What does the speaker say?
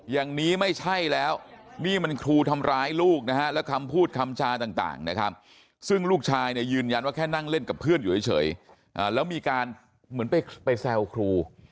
อย่างนี้ไม่ใช่แล้วนี่มันครูทำร้ายลูกนะฮะแล้วคำพูดคำชาต่างนะครับซึ่งลูกชายเนี่ยยืนยันว่าแค่นั่งเล่นกับเพื่อนอยู่เฉยแล้วมีการเหมือนไปแซวครู